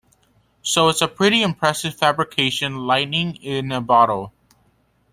So it's a pretty impressive fabrication, lightning in a bottle.